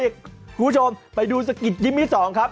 คุณผู้ชมไปดูสกิดยิ้มที่๒ครับ